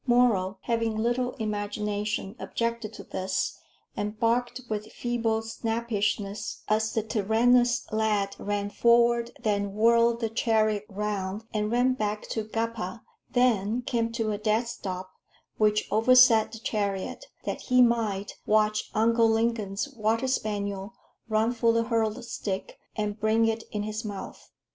Moro, having little imagination, objected to this, and barked with feeble snappishness as the tyrannous lad ran forward, then whirled the chariot round, and ran back to "Gappa," then came to a dead stop, which overset the chariot, that he might watch Uncle Lingon's water spaniel run for the hurled stick and bring it in his mouth.